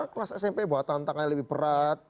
kelas smp bahwa tantangannya lebih berat